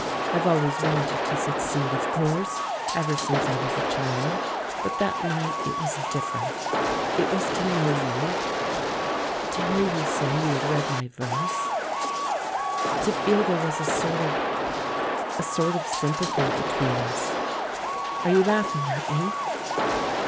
I've always wanted to succeed, of course — ever since I was a child; but that night it was different. It was to know THE LAURELS AND THE LADY 115 you ... to hear you say you had read my verse ... to feel there was a sort of — a sort of sym pathy between us. Are you laughing at me?"